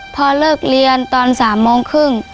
พอเลิกเรียนตอน๓โมงครึ่ง